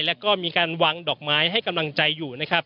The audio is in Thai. และมีวางดอกไม้ให้กำลังใจอยู่